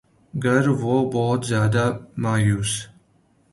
گر وہ بہت زیادہ مایوس